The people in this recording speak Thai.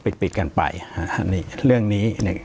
ปากกับภาคภูมิ